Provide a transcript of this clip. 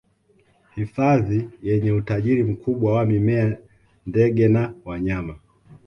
hifadhi yenye utajiri mkubwa wa mimea ndege na wanyama